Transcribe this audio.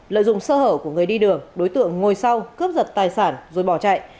lợi dụng sơ hở của người đi đường đối tượng ngồi sau cướp giật tài sản rồi bỏ chạy